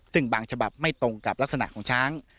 ซึ่งบางฉบับไม่ตรงกับลักษณะของช้าง